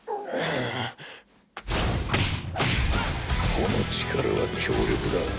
この力は強力だ。